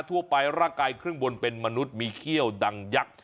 ทั่วไปร่างกายครึ่งบนเป็นมนุษย์มีเขี้ยวดังยักษ์